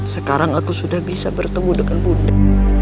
sekarang aku sudah bisa bertemu dengan bunda